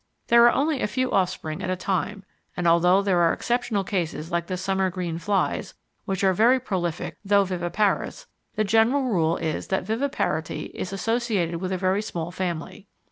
There are only a few offspring at a time, and, although there are exceptional cases like the summer green flies, which are very prolific though viviparous, the general rule is that viviparity is associated with a very small family.